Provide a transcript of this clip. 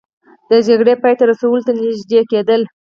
د جګړې پای ته رسولو ته نژدې کیدل